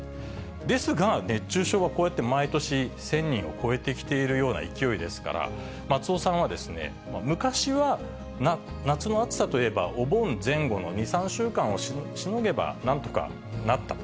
ですが、熱中症はこうやって毎年１０００人を超えてきているような勢いですから、松尾さんは、昔は、夏の暑さといえば、お盆前後の２、３週間をしのげばなんとかなったと。